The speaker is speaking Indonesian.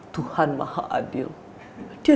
tuhan maha adil jadi